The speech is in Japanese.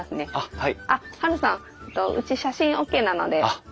はい。